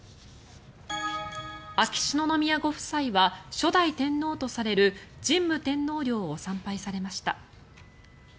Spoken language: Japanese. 秋篠宮ご夫妻は初代天皇とされる神武天皇陵を参拝されました。